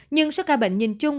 nhưng số ca bệnh nhìn chung